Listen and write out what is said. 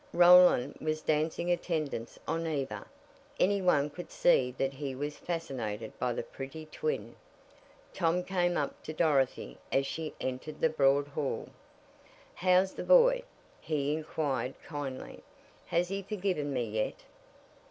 Roland was dancing attendance on Eva any one could see that he was fascinated by the pretty twin. Tom came up to Dorothy as she entered the broad hall. "How's the boy?" he inquired kindly. "Has he forgiven me yet?"